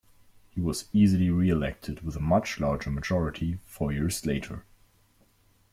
He was easily re-elected with a much larger majority four years later.